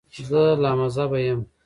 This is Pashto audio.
زه لامذهبه یم.